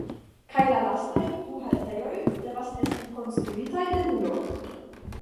Kaj la lastaj du haltejoj devas esti konstruitaj de nulo.